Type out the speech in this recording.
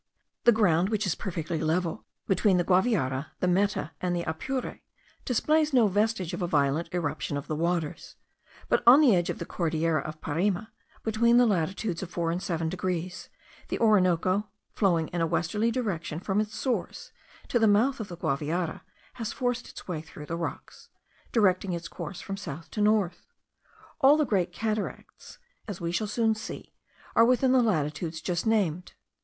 The ground, which is perfectly level between the Guaviare, the Meta, and the Apure, displays no vestige of a violent irruption of the waters; but on the edge of the Cordillera of Parime, between the latitudes of 4 and 7 degrees, the Orinoco, flowing in a westerly direction from its source to the mouth of the Guaviare, has forced its way through the rocks, directing its course from south to north. All the great cataracts, as we shall soon see, are within the latitudes just named.